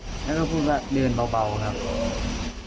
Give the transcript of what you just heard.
แล้วก็พูดว่าเดินเบาครับ